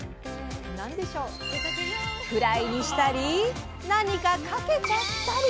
フライにしたり何かかけちゃったり！